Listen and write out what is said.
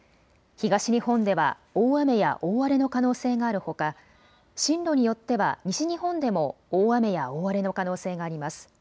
東日本では大雨や大荒れの可能性があるほか、進路によっては西日本でも大雨や大荒れの可能性があります。